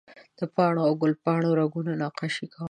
د پاڼو او ګل پاڼو رګونه نقاشي کوم